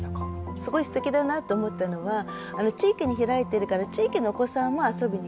すごいすてきだなと思ったのは地域に開いてるから地域のお子さんも遊びに来る